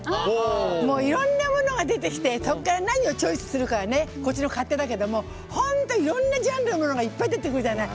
いろんなものが出てきてそこから何をチョイスするかはこっちの勝手だけれど本当、いろんなジャンルのものがいっぱい出てくるじゃない。